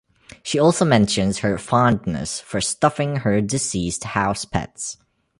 She also mentions her fondness for stuffing her deceased house-pets.